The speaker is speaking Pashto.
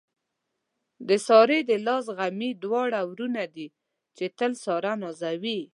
د سارې د لاس غمي دواړه وروڼه دي، چې تل ساره نازوي.